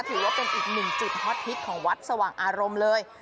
ถือว่าเป็นอีกหนึ่งจุดฮอตฮิตของวัดสว่างอารมณ์เลย